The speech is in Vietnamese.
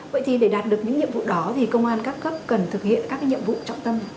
vậy thì để đạt được những nhiệm vụ đó thì công an các cấp cần thực hiện các nhiệm vụ trọng tâm